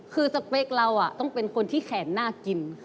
คือสเปคเราต้องเป็นคนที่แขนน่ากิน